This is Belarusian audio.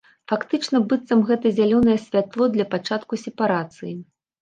Фактычна быццам гэта зялёнае святло для пачатку сепарацыі.